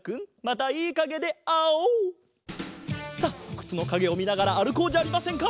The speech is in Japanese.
くつのかげをみながらあるこうじゃありませんか！